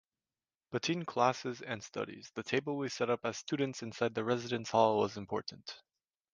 Between classes and studies, the table we set up as students inside the residence hall was important.